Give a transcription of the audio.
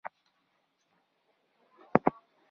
د زعفرانو ترڅنګ میوې هم ارزښت لري.